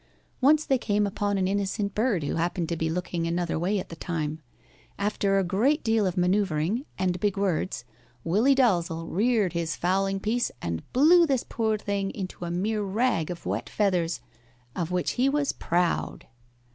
Once they came upon an innocent bird who happened to be looking another way at the time. After a great deal of manoevering and big words, Willie Dalzel reared his fowling piece and blew this poor thing into a mere rag of wet feathers, of which he was proud.